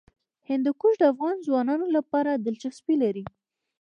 هندوکش د افغان ځوانانو لپاره دلچسپي لري.